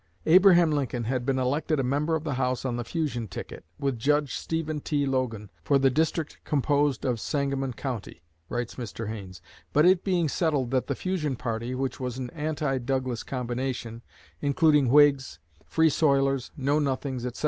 "Abraham Lincoln had been elected a member of the House on the Fusion ticket, with Judge Stephen T. Logan, for the district composed of Sangamon County," writes Mr. Haines. "But it being settled that the Fusion party which was an anti Douglas combination, including Whigs, Free Soilers, Know Nothings, etc.